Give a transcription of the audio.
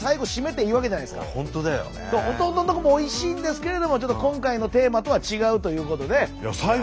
弟のとこもおいしいんですけれども今回のテーマとは違うということで。